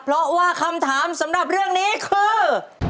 เพราะว่าคำถามสำหรับเรื่องนี้คือ